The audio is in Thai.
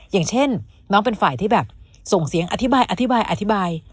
อย่างเช่นน้องเป็นฝ่ายที่แบบส่งเสียงอธิบายอธิบายอธิบายอธิบาย